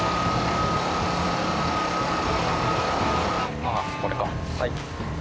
ああこれかはい。